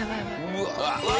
うわ！